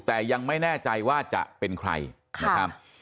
แต่ยังไม่แน่ใจว่าจะเป็นใครนะครับ